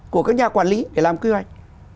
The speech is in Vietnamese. của các nhà quản lý để làm quy hoạch